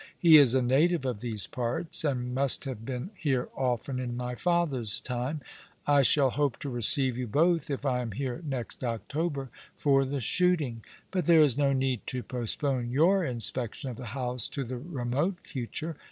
He is a native of these parts, and must have been here often in my father's time. I shall hope to receive you both, if I am here next October for the shooting — but there is no need to postpone your inspection of the house to the remote future.